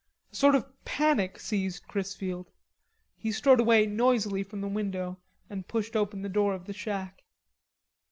A sort of panic seized Chrisfield; he strode away noisily from the window and pushed open the door of the shack.